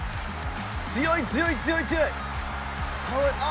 強い強い強い強い。